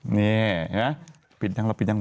นี่เห็นไหมปิดแล้วปิดแล้ว